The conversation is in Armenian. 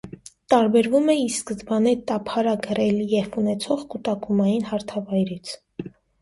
Տարբերվում է ի սկզբանե տափարակ ռելիեֆ ունեցող կուտակումային հարթավայրից։